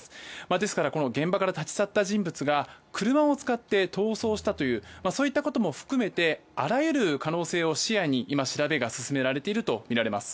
ですから、現場から立ち去った人物が、車を使って逃走したそういったことも含めてあらゆる可能性を視野に調べが進められていると思われます。